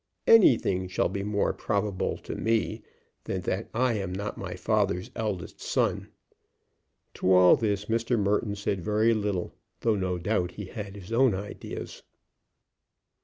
Anything shall be more probable to me than that I am not my father's eldest son." To all this Mr. Merton said very little, though no doubt he had his own ideas.